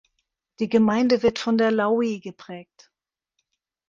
Die Gemeinde wird von der Laui geprägt.